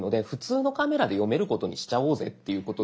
普通のカメラで読めることにしちゃおうぜっていうことで。